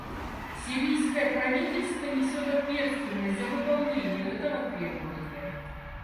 Сирийское правительство несет ответственность за выполнение этого требования.